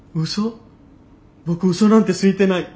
僕うそなんてついてない。